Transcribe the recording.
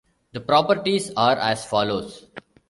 The properties are as follows.